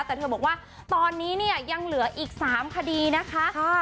แต่เธอบอกว่าตอนนี้เนี่ยยังเหลืออีก๓คดีนะคะ